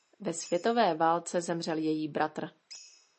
Ve světové válce zemřel její bratr.